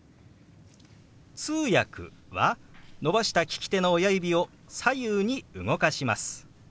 「通訳」は伸ばした利き手の親指を左右に動かします。